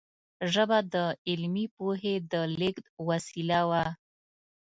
ژبه د علمي پوهې د لېږد وسیله وه.